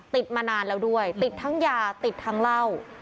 ติดมานานแล้วด้วยติดทั้งยาติดทั้งเหล้า